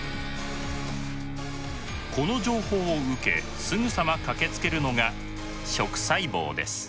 この情報を受けすぐさま駆けつけるのが「食細胞」です。